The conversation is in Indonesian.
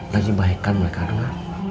lagi baikan mereka enggak